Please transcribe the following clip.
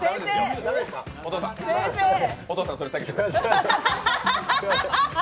お父さん、それ下げて。